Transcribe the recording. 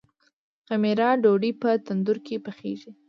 خمیره ډوډۍ په تندور کې پخیږي.